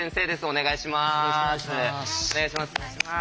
お願いします。